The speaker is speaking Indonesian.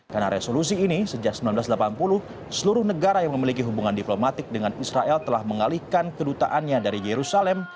karena resolusi ini sejak seribu sembilan ratus delapan puluh seluruh negara yang memiliki hubungan diplomatik dengan israel telah mengalihkan kedutaannya dari yerusalem